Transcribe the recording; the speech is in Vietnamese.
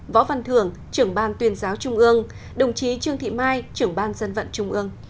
võ văn thường trưởng ban tuyên giáo trung ương đồng chí trương thị mai trưởng ban dân vận trung ương